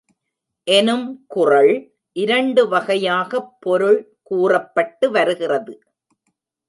எனும் குறள் இரண்டு வகையாகப் பொருள் கூறப்பட்டு வருகிறது.